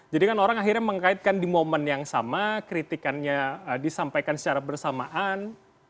jadi kan orang akhirnya mengkaitkan di momen yang sama kritikannya disampaikan secara bersamaan